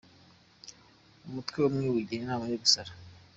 umutwe umwe wigira inama yo gusara